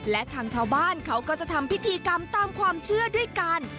และทางชาวบ้านเขาก็จะทำพิธีกรรมตามความเชื่อด้วยกัน